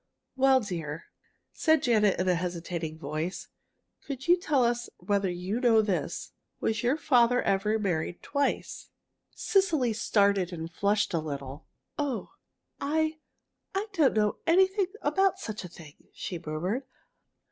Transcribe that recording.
"Well, dear," said Janet, in a hesitating voice, "could you tell us whether you know this: was your father ever married twice?" Cecily started and flushed a little. "Oh, I I don't know anything about such a thing!" she murmured.